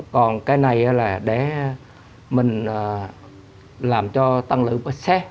còn kinh này là kinh để tăng lượng và sết